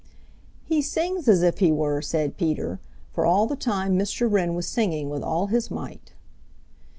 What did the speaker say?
"He sings as if he were," said Peter, for all the time Mr. Wren was singing with all his might.